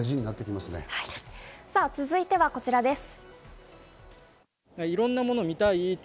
続いてはこちらです。